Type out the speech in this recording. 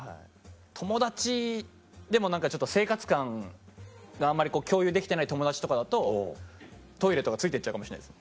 友達でも生活感があんまり共有できてない友達とかだとトイレとかついて行っちゃうかもしれないです。